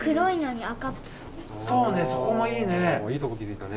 そうねそこもいいね。